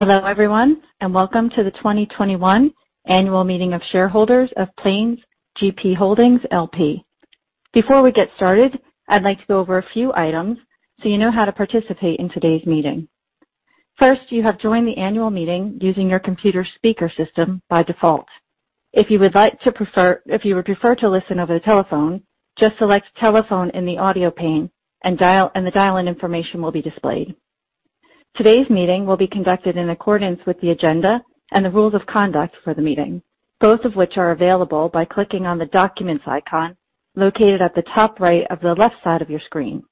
Hello, everyone, and welcome to the 2021 annual meeting of shareholders of Plains GP Holdings, L.P. Before we get started, I'd like to go over a few items so you know how to participate in today's meeting. First, you have joined the annual meeting using your computer speaker system by default. If you would prefer to listen over the telephone, just select telephone in the audio pane and the dial-in information will be displayed. Today's meeting will be conducted in accordance with the agenda and the rules of conduct for the meeting, both of which are available by clicking on the documents icon located at the top right of the left side of your screen.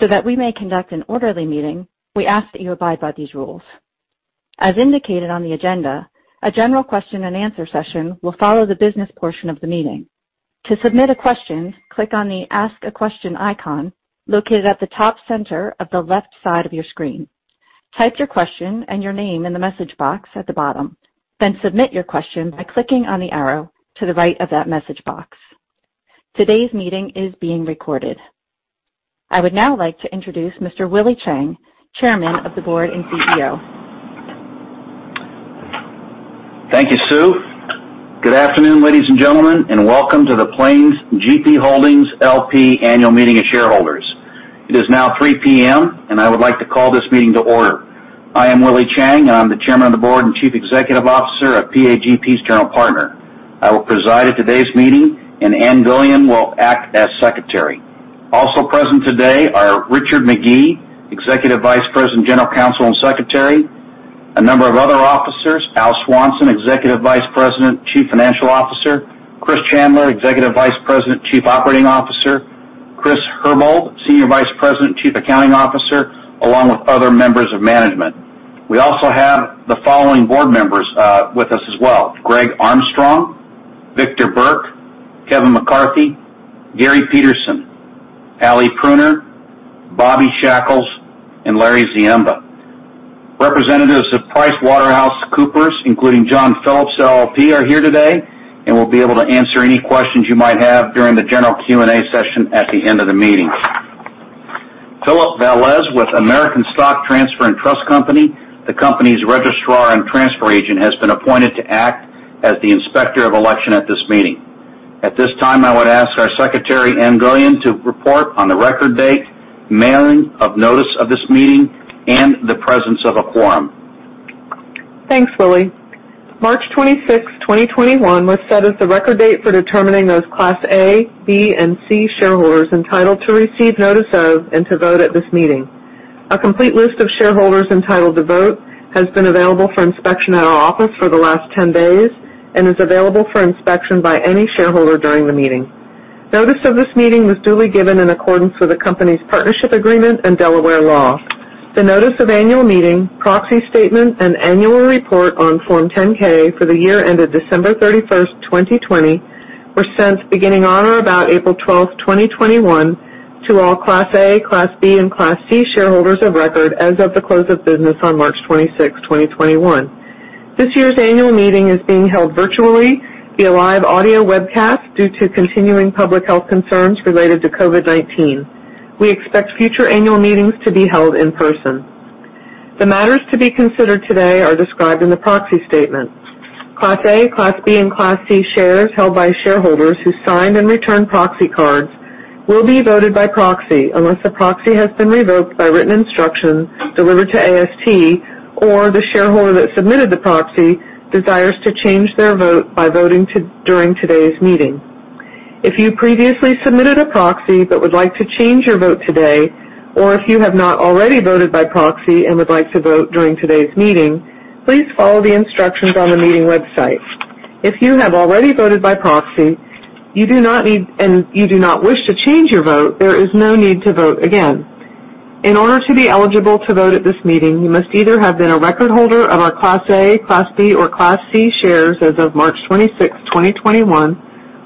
That we may conduct an orderly meeting, we ask that you abide by these rules. As indicated on the agenda, a general question and answer session will follow the business portion of the meeting. To submit a question, click on the ask a question icon located at the top center of the left side of your screen. Type your question and your name in the message box at the bottom, then submit your question by clicking on the arrow to the right of that message box. Today's meeting is being recorded. I would now like to introduce Mr. Willie Chiang, Chairman of the Board and Chief Executive Officer. Thank you, Sue. Good afternoon, ladies and gentlemen, and welcome to the Plains GP Holdings, L.P. Annual Meeting of Shareholders. It is now 3:00 P.M., and I would like to call this meeting to order. I am Willie Chiang, and I'm the Chairman of the Board and Chief Executive Officer of PAGP's General Partner. I will preside at today's meeting, and Ann Gullion will act as Secretary. Also present today are Richard McGee, Executive Vice President, General Counsel, and Secretary, a number of other officers, Al Swanson, Executive Vice President, Chief Financial Officer, Chris Chandler, Executive Vice President, Chief Operating Officer, Chris Herbold, Senior Vice President, Chief Accounting Officer, along with other members of management. We also have the following board members with us as well, Greg Armstrong, Victor Burk, Kevin McCarthy, Gary Petersen, Alie Pruner, Bobby S. Shackouls, and Lawrence Ziemba. Representatives of PricewaterhouseCoopers, including John Phillips, LLP, are here today and will be able to answer any questions you might have during the general Q&A session at the end of the meeting. Philip Velez with American Stock Transfer and Trust Company, the company's registrar and transfer agent, has been appointed to act as the Inspector of Election at this meeting. At this time, I would ask our secretary, Ann Gullion, to report on the record date, mailing of notice of this meeting, and the presence of a quorum. Thanks, Willie. March 26, 2021, was set as the record date for determining those Class A, B, and C shareholders entitled to receive notice of and to vote at this meeting. A complete list of shareholders entitled to vote has been available for inspection at our office for the last 10 days and is available for inspection by any shareholder during the meeting. Notice of this meeting was duly given in accordance with the company's partnership agreement and Delaware law. The Notice of Annual Meeting, Proxy Statement, and Annual Report on Form 10-K for the year ended December 31st, 2020, were sent beginning on or about April 12, 2021, to all Class A, Class B, and Class C shareholders of record as of the close of business on March 26th, 2021. This year's annual meeting is being held virtually via live audio webcast due to continuing public health concerns related to COVID-19. We expect future annual meetings to be held in person. The matters to be considered today are described in the proxy statement. Class A, Class B, and Class C shares held by shareholders who signed and returned proxy cards will be voted by proxy unless the proxy has been revoked by written instructions delivered to AST or the shareholder that submitted the proxy desires to change their vote by voting during today's meeting. If you previously submitted a proxy but would like to change your vote today, or if you have not already voted by proxy and would like to vote during today's meeting, please follow the instructions on the meeting website. If you have already voted by proxy, and you do not wish to change your vote, there is no need to vote again. In order to be eligible to vote at this meeting, you must either have been a record holder of our Class A, Class B, or Class C shares as of March 26, 2021,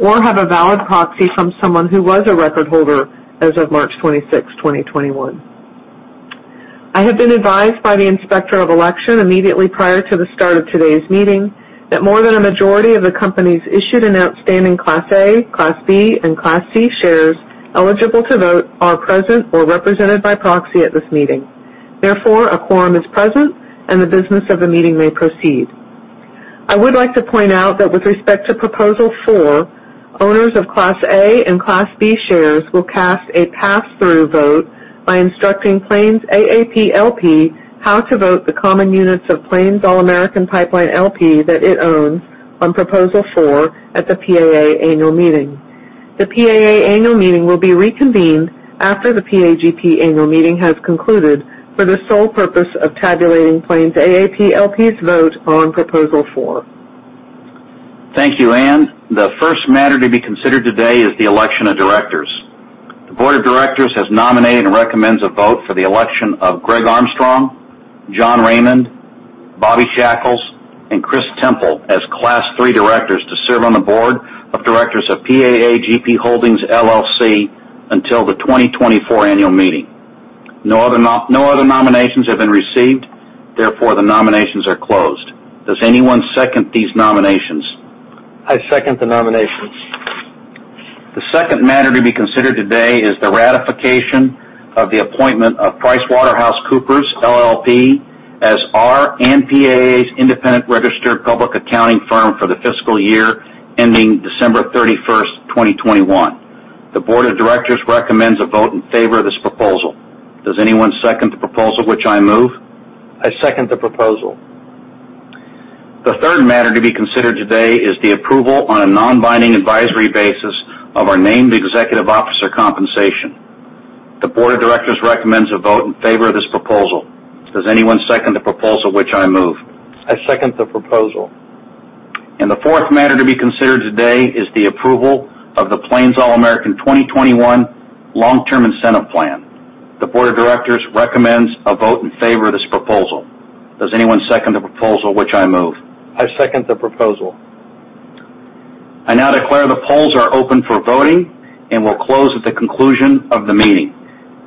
or have a valid proxy from someone who was a record holder as of March 26, 2021. I have been advised by the Inspector of Election immediately prior to the start of today's meeting that more than a majority of the company's issued and outstanding Class A, Class B, and Class C shares eligible to vote are present or represented by proxy at this meeting. Therefore, a quorum is present and the business of the meeting may proceed. I would like to point out that with respect to Proposal Four, owners of Class A and Class B shares will cast a pass-through vote by instructing Plains AAP, L.P. how to vote the common units of Plains All American Pipeline, L.P. that it owns on Proposal Four at the PAA annual meeting. The PAA annual meeting will be reconvened after the PAGP annual meeting has concluded for the sole purpose of tabulating Plains AAP, L.P.'s vote on Proposal Four. Thank you, Ann. The first matter to be considered today is the election of directors. The board of directors has nominated and recommends a vote for the election of Greg Armstrong, John Raymond, Bobby Shackouls, and Chris Temple as Class 3 directors to serve on the board of directors of PAA GP Holdings LLC until the 2024 annual meeting. No other nominations have been received. The nominations are closed. Does anyone second these nominations? I second the nominations. The second matter to be considered today is the ratification of the appointment of PricewaterhouseCoopers, LLP as our and PAA's independent registered public accounting firm for the fiscal year ending December 31st, 2021. The board of directors recommends a vote in favor of this proposal. Does anyone second the proposal which I move? I second the proposal. The third matter to be considered today is the approval on a non-binding advisory basis of our named executive officer compensation. The board of directors recommends a vote in favor of this proposal. Does anyone second the proposal which I move? I second the proposal. The fourth matter to be considered today is the approval of the Plains All American 2021 Long-Term Incentive Plan. The board of directors recommends a vote in favor of this proposal. Does anyone second the proposal which I move? I second the proposal. I now declare the polls are open for voting and will close at the conclusion of the meeting.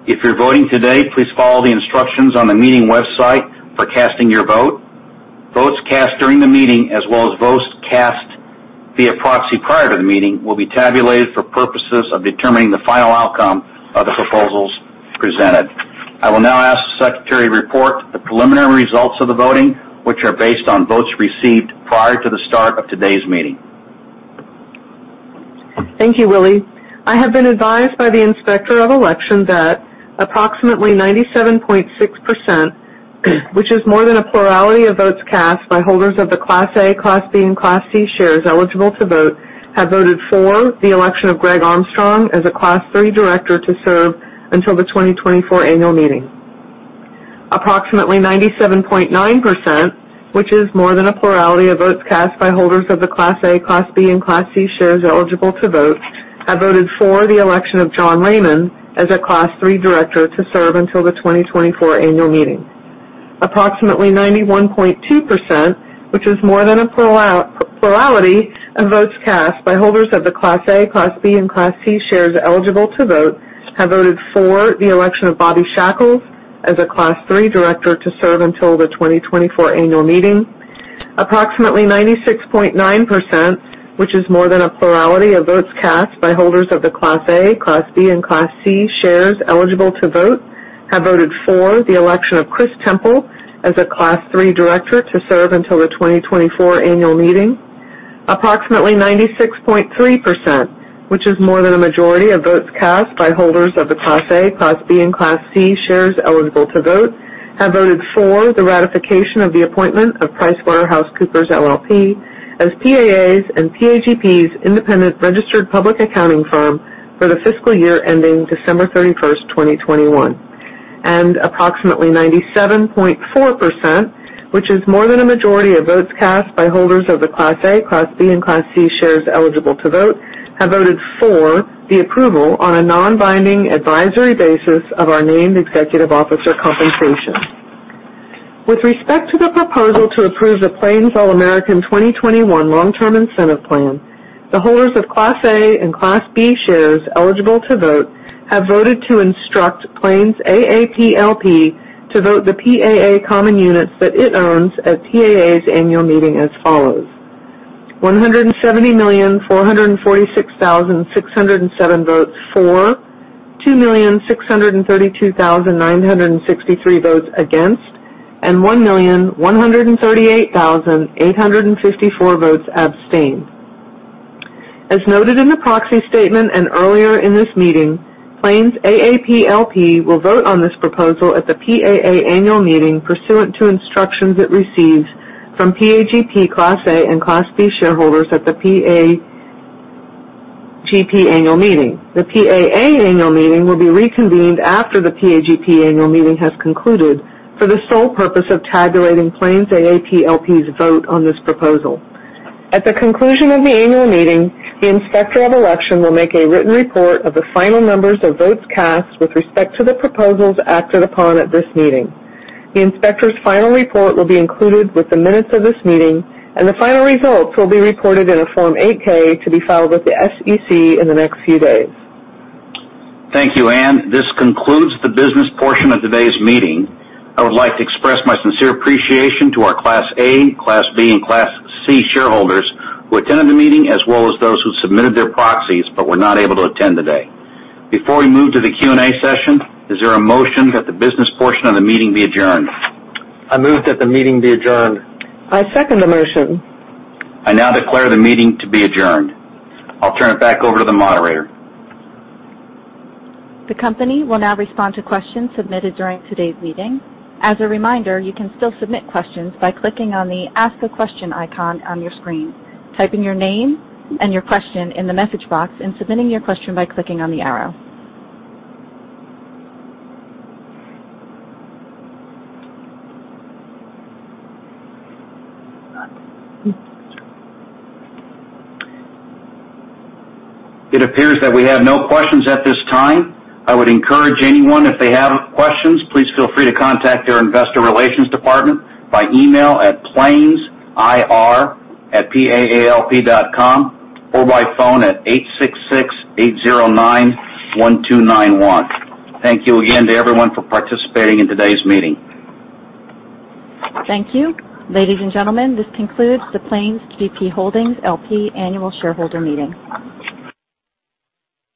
If you're voting today, please follow the instructions on the meeting website for casting your vote. Votes cast during the meeting, as well as votes cast via proxy prior to the meeting, will be tabulated for purposes of determining the final outcome of the proposals presented. I will now ask the Secretary to report the preliminary results of the voting, which are based on votes received prior to the start of today's meeting. Thank you, Willie. I have been advised by the Inspector of Election that approximately 97.6%, which is more than a plurality of votes cast by holders of the Class A, Class B, and Class C shares eligible to vote, have voted for the election of Greg Armstrong as a Class III director to serve until the 2024 annual meeting. Approximately 97.9%, which is more than a plurality of votes cast by holders of the Class A, Class B, and Class C shares eligible to vote, have voted for the election of John Raymond as a Class III director to serve until the 2024 annual meeting. Approximately 91.2%, which is more than a plurality of votes cast by holders of the Class A, Class B, and Class C shares eligible to vote, have voted for the election of Bobby Shackouls as a Class III director to serve until the 2024 annual meeting. Approximately 96.9%, which is more than a plurality of votes cast by holders of the Class A, Class B, and Class C shares eligible to vote, have voted for the election of Chris Temple as a Class III director to serve until the 2024 annual meeting. Approximately 96.3%, which is more than a majority of votes cast by holders of the Class A, Class B, and Class C shares eligible to vote, have voted for the ratification of the appointment of PricewaterhouseCoopers LLP as PAA's and PAGP's independent registered public accounting firm for the fiscal year ending December 31st, 2021. Approximately 97.4%, which is more than a majority of votes cast by holders of the Class A, Class B, and Class C shares eligible to vote, have voted for the approval on a non-binding advisory basis of our named executive officer compensation. With respect to the proposal to approve the Plains All American 2021 Long-Term Incentive Plan, the holders of Class A and Class B shares eligible to vote have voted to instruct Plains AAP, L.P. to vote the PAA common units that it owns at PAA's annual meeting as follows: 170,446,607 votes for, 2,632,963 votes against, and 1,138,854 votes abstain. As noted in the proxy statement and earlier in this meeting, Plains AAP, L.P. will vote on this proposal at the PAA annual meeting pursuant to instructions it receives from PAGP Class A and Class B shareholders at the PAGP annual meeting. The PAA annual meeting will be reconvened after the PAGP annual meeting has concluded for the sole purpose of tabulating Plains AAP, L.P.'s vote on this proposal. At the conclusion of the annual meeting, the Inspector of Election will make a written report of the final numbers of votes cast with respect to the proposals acted upon at this meeting. The inspector's final report will be included with the minutes of this meeting, and the final results will be reported in a Form 8-K to be filed with the SEC in the next few days. Thank you, Ann. This concludes the business portion of today's meeting. I would like to express my sincere appreciation to our Class A, Class B, and Class C shareholders who attended the meeting, as well as those who submitted their proxies but were not able to attend today. Before we move to the Q&A session, is there a motion that the business portion of the meeting be adjourned? I move that the meeting be adjourned. I second the motion. I now declare the meeting to be adjourned. I'll turn it back over to the moderator. The company will now respond to questions submitted during today's meeting. As a reminder, you can still submit questions by clicking on the Ask a Question icon on your screen, typing your name and your question in the message box, and submitting your question by clicking on the arrow. It appears that we have no questions at this time. I would encourage anyone, if they have questions, please feel free to contact our investor relations department by email at plainsir@paalp.com or by phone at 866-809-1291. Thank you again to everyone for participating in today's meeting. Thank you. Ladies and gentlemen, this concludes the Plains GP Holdings, L.P. annual shareholder meeting.